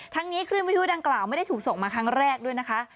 นี้คลื่นวิทยุดังกล่าวไม่ได้ถูกส่งมาครั้งแรกด้วยนะคะ